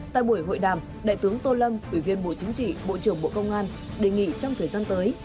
tại buổi hội đàm đại tướng tô lâm ủy viên bộ chính trị bộ trưởng bộ công an đề nghị trong thời gian tới